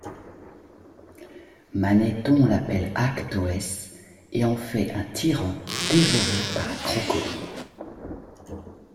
Manéthon l'appelle Achtoes et en fait un tyran dévoré par un crocodile.